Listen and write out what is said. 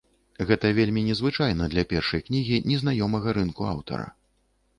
Гэта вельмі незвычайна для першай кнігі незнаёмага рынку аўтара.